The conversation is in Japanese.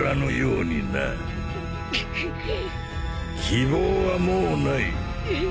希望はもうない。